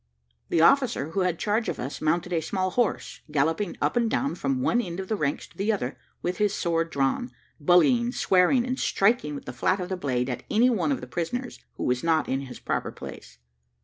The officer who had charge of us mounted a small horse, galloping up and down from one end of the ranks to the other, with his sword drawn, bullying, swearing, and striking with the flat of the blade at any one of the prisoners who was not in his proper place.